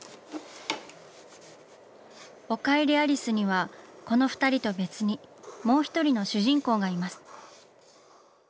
「おかえりアリス」にはこの二人と別にもう一人の主人公がいます。